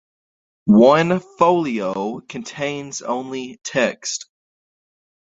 One folio contains only text.